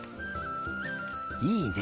いいね。